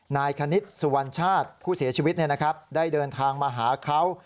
คณิตสุวรรณชาติผู้เสียชีวิตได้เดินทางมาหาเขา